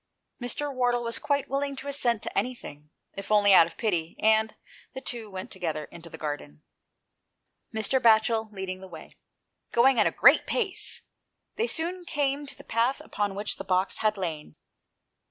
Mr. Wardle was quite willing to assent to anything, if only out of pity, and the two went together into the garden, Mr. Batchel leading the way. Going at a great pace, they soon came to the path upon which the box had lain.